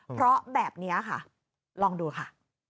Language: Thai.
เพราะแบบนี้ค่ะลองดูค่ะ